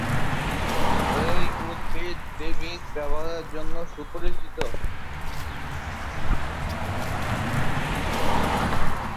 এই উদ্ভিদ বিবিধ ব্যবহারের জন্য সুপরিচিত।